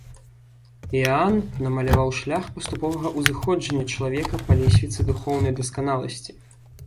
Іаан намаляваў шлях паступовага ўзыходжання чалавека па лесвіцы духоўнай дасканаласці.